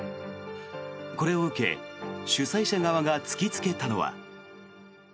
これを受け主催者側が突きつけたのは。